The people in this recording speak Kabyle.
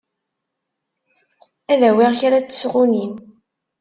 Ad awiɣ kra n tesɣunin.